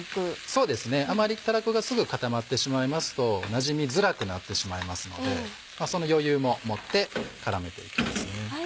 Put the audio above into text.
そうですねあまりたらこがすぐに固まってしまいますとなじみづらくなってしまいますのでその余裕も持って絡めていきますね。